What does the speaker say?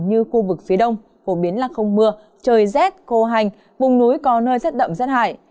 như khu vực phía đông phổ biến là không mưa trời rét khô hành vùng núi có nơi rất đậm rất hại